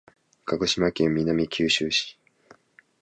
鹿児島県南九州市